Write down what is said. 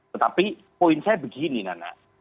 tetapi poin saya begini nana